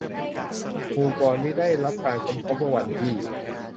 หมู่เกาะนี้ได้รับการค้นพบเมื่อวันที่